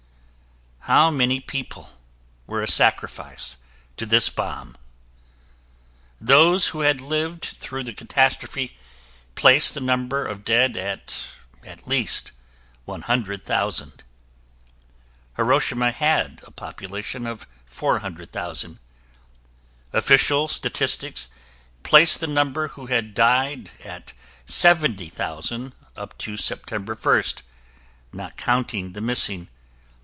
How many people were a sacrifice to this bomb? Those who had lived through the catastrophe placed the number of dead at at least 100,000. Hiroshima had a population of 400,000. Official statistics place the number who had died at 70,000 up to September 1st, not counting the missing